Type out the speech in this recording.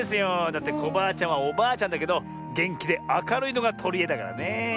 だってコバアちゃんはおばあちゃんだけどげんきであかるいのがとりえだからねえ。